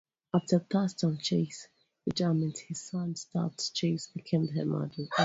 After Thurston Chase's retirement, his son, Stuart Chase, became the headmaster.